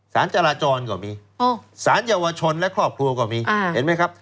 สารจราจรก็มีสารเยาวชนและครอบครัวก็มีเห็นไหมครับ